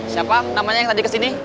siapa namanya yang tadi kesini